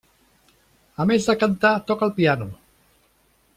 A més de cantar toca el piano.